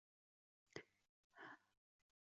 库隆塞。